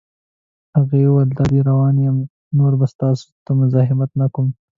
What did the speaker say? هغه وویل: دادی روان یم، نور به ستاسو ته مزاحمت نه کوم.